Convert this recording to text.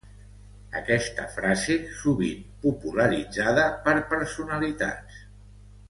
Aquesta frase, sovint popularitzada per personalitats.